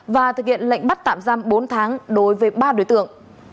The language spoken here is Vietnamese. và thực hiện lệnh bắt tạm giam bốn tháng đối với ba đối tượng